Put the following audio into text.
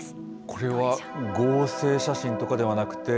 これは合成写真とかではなくて。